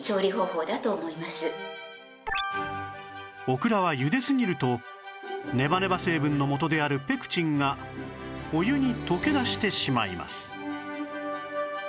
オクラはゆですぎるとネバネバ成分の元であるペクチンがお湯に溶け出してしまいます